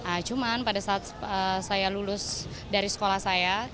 ah cuma pada saat saya lulus dari sekolah saya